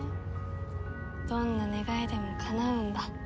どんな願いでもかなうんだ。